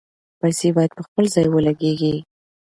پیسې باید په خپل ځای ولګیږي.